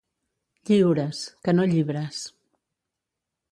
Lliures, que no llibres.